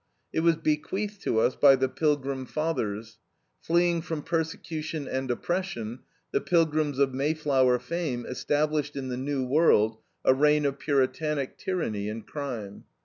It was bequeathed to us by the Pilgrim fathers. Fleeing from persecution and oppression, the Pilgrims of Mayflower fame established in the New World a reign of Puritanic tyranny and crime.